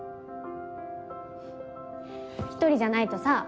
１人じゃないとさ